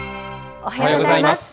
おはようございます。